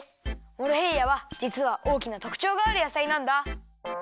モロヘイヤはじつはおおきなとくちょうがあるやさいなんだ！